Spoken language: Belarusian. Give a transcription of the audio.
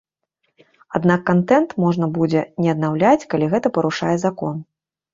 Аднак кантэнт можна будзе не аднаўляць, калі гэта парушае закон.